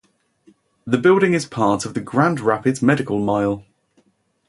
The building is part of the Grand Rapids Medical Mile.